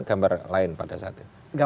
gambar lain pada saatnya